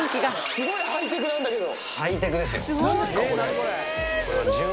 すごいハイテクなんだけど。